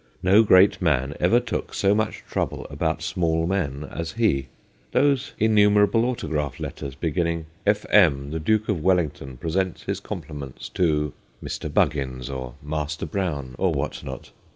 No great man ever took so much trouble about small men as he. Those in numerable autograph letters beginning *F.M. MR TOMKINS 169 the Duke of Wellington presents his compli ments to ' Mr. Buggins, or Master Brown, or whatnot!